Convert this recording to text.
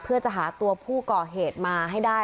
เพื่อจะหาตัวผู้ก่อเหตุมาให้ได้